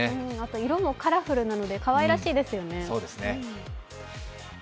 色もカラフルなので、かわいらしいですよね。